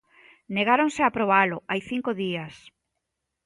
Negáronse a aprobalo hai cinco días.